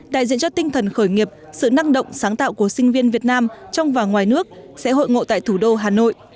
đại diện cho tinh thần khởi nghiệp sự năng động sáng tạo của sinh viên việt nam trong và ngoài nước sẽ hội ngộ tại thủ đô hà nội